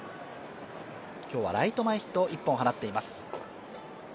今日はライト前ヒットを１本放っています。